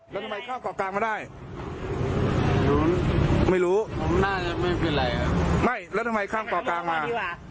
แล้วทำไมเข้าก่อกลางมาได้ไม่รู้ผมน่าจะไม่มีอะไรอ่ะไม่แล้วทำไมเข้าก่อกลางมา